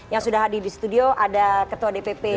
yang sudah hadir di studio ada ketua dpp